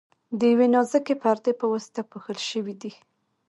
د یوې نازکې پردې په واسطه پوښل شوي دي.